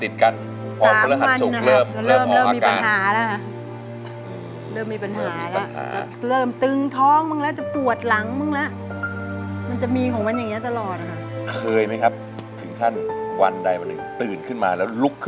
โอ้ยก็สามวันสามวันเนี่ยทำได้นะคะจานครานพุธคำได้อยู่